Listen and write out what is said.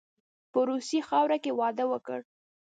په روسي خاوره کې واده وکړ.